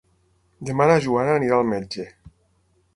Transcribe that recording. Demà na Joana anirà al metge.